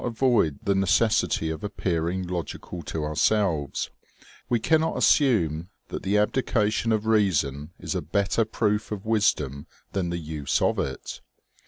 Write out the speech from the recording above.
avoid the necessity of appearing logical to ourselves ; we cannot assume that the abdication of reason is a better proof of wisdom than the use of it.